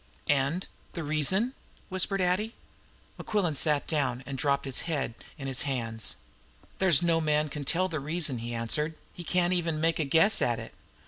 "And the reason?" whispered Addie. Mequillen sat down, and dropped his head in his hands. "There's no man can tell the reason," he answered. "He can't even make a guess at it.